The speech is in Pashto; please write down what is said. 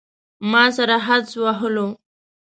ما سره حدس وهلو.